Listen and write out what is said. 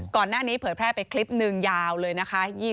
ก่อนหน้านี้เผยแพร่ไปคลิปหนึ่งยาวเลยนะคะ